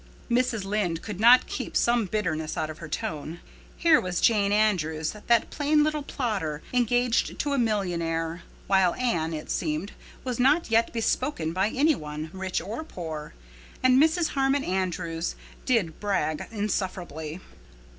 Mrs. Lynde could not keep some bitterness out of her tone. Here was Jane Andrews, that plain little plodder, engaged to a millionaire, while Anne, it seemed, was not yet bespoken by any one, rich or poor. And Mrs. Harmon Andrews did brag insufferably.